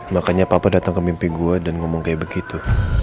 makanya papa datang ke mimpi gue dan ngomong kayak begitu